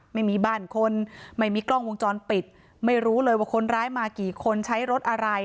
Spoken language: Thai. ไม่มีบ้านคนไม่มีกล้องวงจรปิดไม่รู้เลยว่าคนร้ายมากี่คนใช้รถอะไร